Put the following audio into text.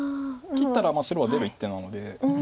切ったら白は出る一手なので。